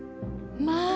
まあ！